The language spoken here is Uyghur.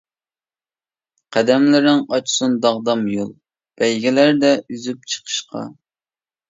قەدەملىرىڭ ئاچسۇن داغدام يول، بەيگىلەردە ئۈزۈپ چىقىشقا.